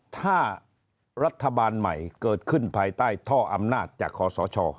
ถ้ารัฐบาลใหม่เกิดขึ้นภายใต้ท่ออำนาจจากขอสช